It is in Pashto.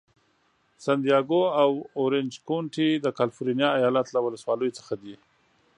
سن دیاګو او اورینج کونټي د کالفرنیا ایالت له ولسوالیو څخه دي.